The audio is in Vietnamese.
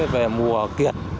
về mùa kiệt